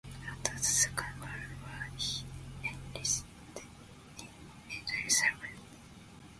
After the Second World War he enlisted in military service.